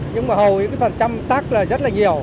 nhưng mà hầu những phần tăm tắc là rất là nhiều